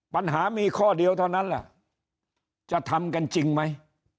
ปัญหามีข้อเดียวเท่านั้นแหละจะทำกันจริงไหม